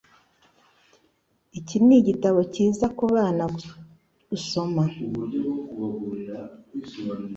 Iki nigitabo cyiza kubana gusoma.